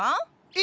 え？